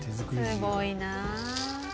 すごいなあ。